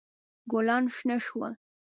ګلان شنه شول.